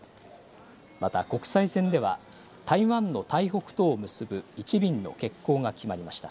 また国際線では台湾の台北とを結ぶ１便の欠航が決まりました。